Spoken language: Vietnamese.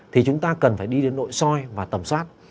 thì chúng ta cần phải đi đến nội soi và tầm soát